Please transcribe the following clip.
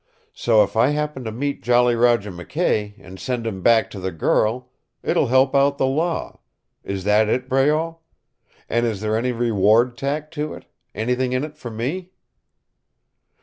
So if I happen to meet Jolly Roger McKay, and send him back to the girl, it will help out the law. Is that it, Breault? And is there any reward tacked to it? Anything in it for me?"